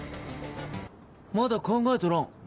まだ考えとらん。